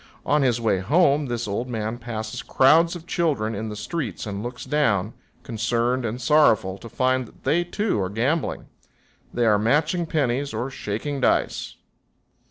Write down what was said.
On his way home this old man passes crowds of children in the streets and looks down, concerned and sorrowful, to find that they, too, are gambling. They are matching pennies or shaking dice.